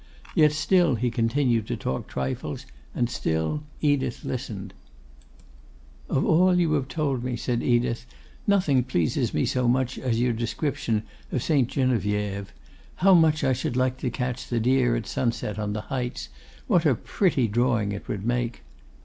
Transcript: Yet still he continued to talk trifles; and still Edith listened. 'Of all that you have told me,' said Edith, 'nothing pleases me so much as your description of St. Geneviève. How much I should like to catch the deer at sunset on the heights! What a pretty drawing it would make!